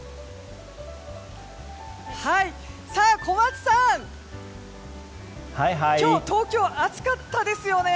小松さん、今日は東京暑かったですよね？